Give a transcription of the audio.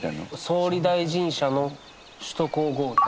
「総理大臣車の首都高合流」